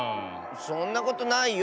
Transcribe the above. そんなことないよ。